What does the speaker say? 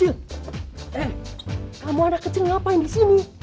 eh kamu anak kecil ngapain disini